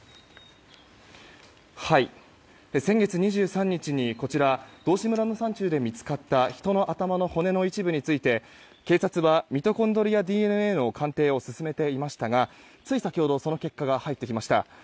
先月２３日にこちら道志村の山中で見つかった人の頭の骨の一部について警察はミトコンドリアＤＮＡの鑑定を進めていましたがつい先ほど、その結果が入ってきました。